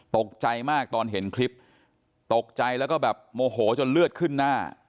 ตกใจมากตอนเห็นคลิปตกใจแล้วก็แบบโมโหจนเลือดขึ้นหน้า